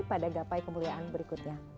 pada gapai kemuliaan berikutnya